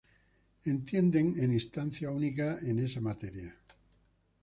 Entienden en instancia única en esa materia.